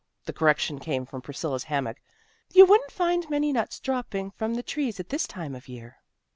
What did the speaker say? The correction came from Priscilla's hammock. "You wouldn't find many nuts dropping from the trees at this time of the year."